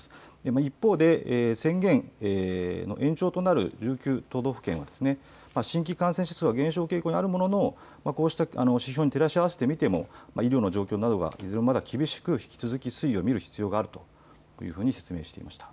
一方で、宣言の延長となる１９都道府県は新規感染者数は減少傾向にあるものの、こうした指標に照らし合わせてみても、医療の状況などが非常にまだ厳しく、推移を見る必要があるというふうに説明